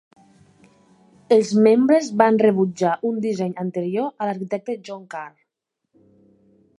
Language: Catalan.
Els membres van rebutjar un disseny anterior de l'arquitecte John Carr.